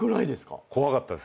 怖かったです。